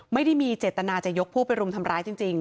ไม่ได้มีเจตนาจะยกผู้ไปรุมทำร้ายจริง